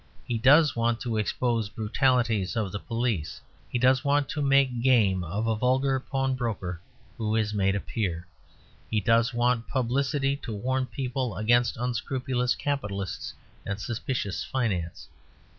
He does want to expose brutalities of the police. He does want to make game of a vulgar pawnbroker who is made a Peer. He does want publicly to warn people against unscrupulous capitalists and suspicious finance.